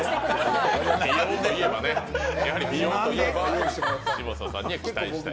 やはり美容といえば嶋佐さんに期待したい。